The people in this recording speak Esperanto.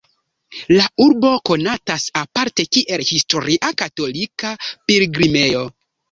La urbo konatas aparte kiel historia katolika pilgrimejo.